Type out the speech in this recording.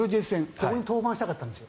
ここに登板したかったんです。